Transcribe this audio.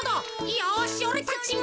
よしおれたちも。